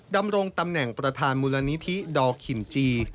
ดำรงตำแหน่งประธานมูลนิธิดอคินจี